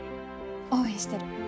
応援してる。